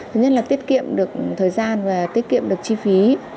thứ nhất là tiết kiệm được thời gian và tiết kiệm được chi phí